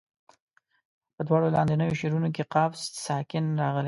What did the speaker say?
په دواړو لاندنیو شعرونو کې قاف ساکن راغلی.